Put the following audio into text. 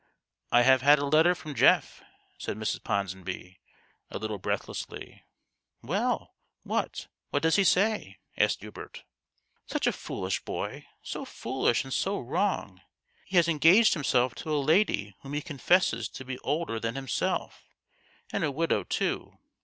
" I have had a letter from GTeoff," said Mrs. Ponsonby, a little breathlessly. " Well ? what ? what does he say ?" asked Hubert. " Such a foolish boy ! so foolish and so wrong! He has engaged himself to a lady whom he confesses to be older than himself, and a widow too.